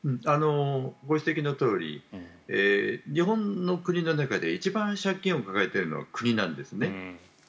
ご指摘のとおり日本の国の中で一番借金を抱えているのは国なんですね。